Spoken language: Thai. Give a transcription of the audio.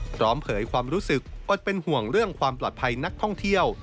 เผยความรู้สึกอดเป็นห่วงเรื่องความปลอดภัยนักท่องเที่ยว